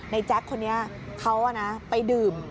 แจ๊คคนนี้เขาไปดื่ม